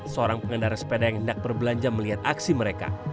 seorang pengendara sepeda yang hendak berbelanja melihat aksi mereka